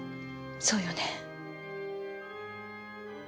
そうよね？